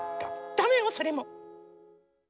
ダメよそれも。